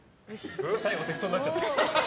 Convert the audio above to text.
最後適当になっちゃった。